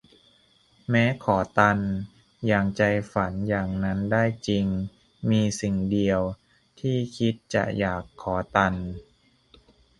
แม้ขอตัน อย่างใจฝันอย่างนั้นได้จริง มีสิ่งเดียว ที่คิดจะอยากขอตัน